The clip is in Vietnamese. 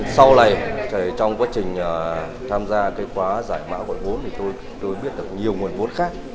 sau này trong quá trình tham gia khóa giải mã gọi vốn tôi biết được nhiều nguồn vốn khác